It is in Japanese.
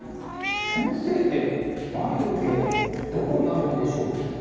先生って眉毛どこにあるんでしょう？